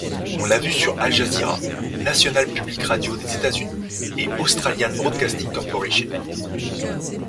On l'a vu sur Al-Jazeera, National Public Radio des États-Unis et Australian Broadcasting Corporation.